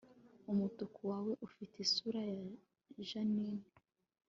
Umutuku wawe ufite isura ya jasine